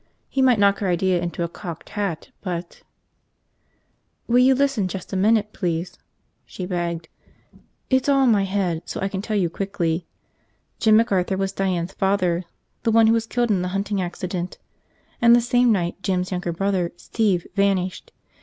He might knock her idea into a cocked hat, but ... "Will you listen just a minute, please?" she begged. "It's all in my head, so I can tell you quickly. Jim McArthur was Diane's father, the one who was killed in the hunting accident. And the same night, Jim's younger brother, Steve vanished.